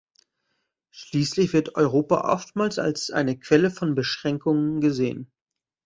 Schließlich wird Europa oftmals als eine Quelle von Beschränkungen gesehen.